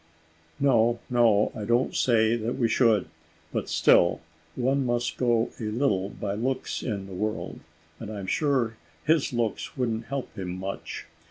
"No, no I don't say that we should; but still, one must go a little by looks in the world, and I'm sure his looks wouldn't help him much.